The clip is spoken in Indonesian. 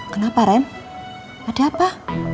kenapa ren ada apa